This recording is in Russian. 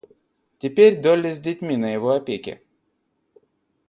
Теперь Долли с детьми на его опеке.